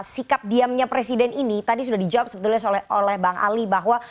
sikap diamnya presiden ini tadi sudah dijawab sebetulnya oleh bang ali bahwa